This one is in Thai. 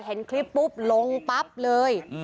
เห็นคลิปปุ๊บลงปั๊บเลย